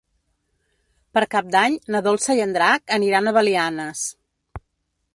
Per Cap d'Any na Dolça i en Drac aniran a Belianes.